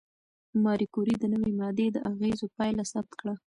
ماري کوري د نوې ماده د اغېزو پایله ثبت کړه.